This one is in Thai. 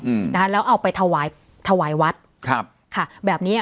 อืมนะคะแล้วเอาไปถวายถวายวัดครับค่ะแบบเนี้ย